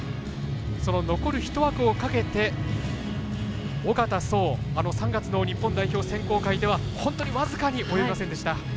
その残る、ひと枠をかけて小方颯３月の日本代表選考会では本当に僅かにおよびませんでした。